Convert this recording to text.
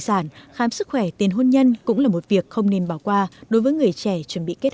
sản khám sức khỏe tiền hôn nhân cũng là một việc không nên bỏ qua đối với người trẻ chuẩn bị kết